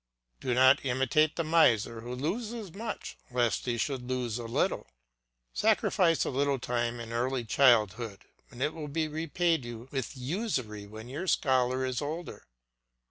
Do not imitate the miser who loses much lest he should lose a little. Sacrifice a little time in early childhood, and it will be repaid you with usury when your scholar is older.